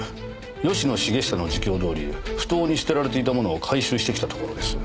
吉野茂久の自供どおり埠頭に捨てられていたものを回収してきたところです。